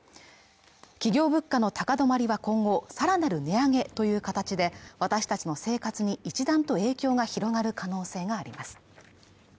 企業物価の高止まりは今後さらなる値上げという形で私たちの生活に一段と影響が広がる可能性があります